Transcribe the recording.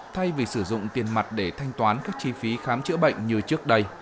thay vì sử dụng tiền mặt để thanh toán các chi phí khám chữa bệnh như trước đây